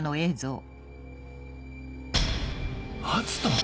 篤斗！